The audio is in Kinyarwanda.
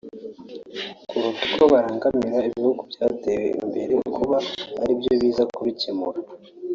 kuruta uko barangamira ibihugu byateye imbere kuba aribyo biza kubicyemura